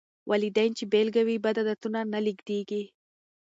والدين چې بېلګه وي، بد عادتونه نه لېږدېږي.